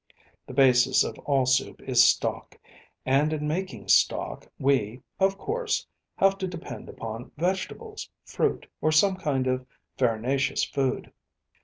The basis of all soup is stock, and in making stock we, of course, have to depend upon vegetables, fruit, or some kind of farinaceous food.